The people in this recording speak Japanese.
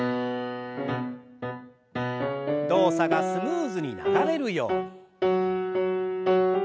動作がスムーズに流れるように。